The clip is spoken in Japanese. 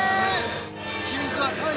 清水は３位。